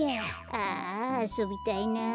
あああそびたいなあ。